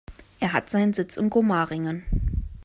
Er hat seinen Sitz in Gomaringen.